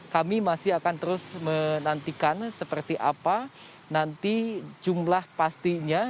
kami masih akan terus menantikan seperti apa nanti jumlah pastinya